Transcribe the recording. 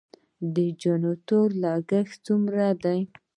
د جنراتورونو لګښت څومره دی؟